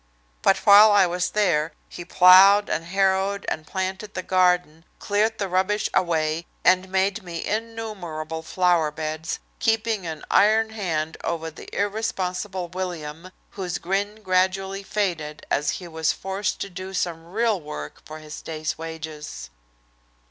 But while I was there he ploughed and harrowed and planted the garden, cleared the rubbish away, and made me innumerable flower beds, keeping an iron hand over the irresponsible William, whose grin gradually faded as he was forced to do some real work for his day's wages.